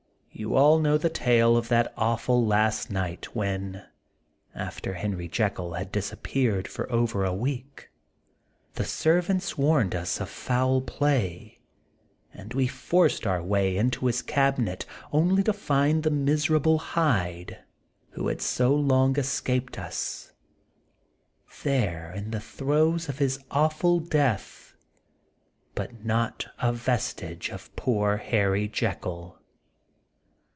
You all know the tale of that awful " last night," when, after Henry Jekyll had disappeared for over a week, the servants warned us of foul play, and we forced our way into his cabinet, only to find the miserable Hyde, who had so long escaped us, there in the throes of his awful death, but not a vestige of poor Harry Jekyll.